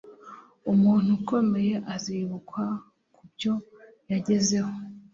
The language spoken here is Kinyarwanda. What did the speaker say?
Umuntu ukomeye azibukwa kubyo yagezeho.